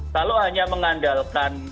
kalau hanya mengandalkan